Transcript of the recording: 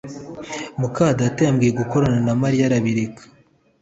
muka data yarambiwe gukorana na Mariya arabireka